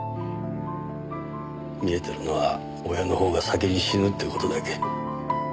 見えてるのは親の方が先に死ぬって事だけ。